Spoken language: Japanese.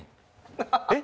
えっ？